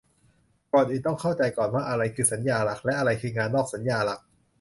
ก่อนอื่นต้องเข้าใจก่อนว่าอะไรคือสัญญาหลัก และ อะไรคืองานนอกสัญญาหลัก